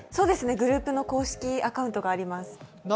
グループの公式アカウントがあります。